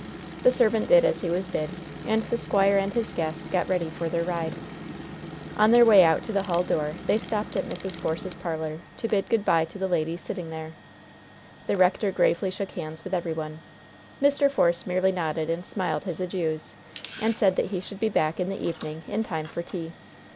The servant did as he was bid, and the squire and his guest got ready for their ride. On their way out to the hall door they stopped at Mrs. Force's parlor, to bid good by to the ladies sitting there. The rector gravely shook hands with every one. Mr. Force merely nodded and smiled his adieus, and said that he should be back in the evening in time for tea.